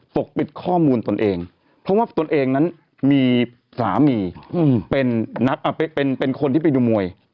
ปกปิดข้อมูลตนเองเพราะว่าตนเองนั้นมีสามีเป็นคนที่ไปดูมวย